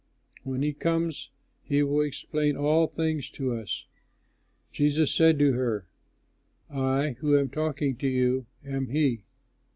When he comes he will explain all things to us." Jesus said to her, "I who am talking to you am he."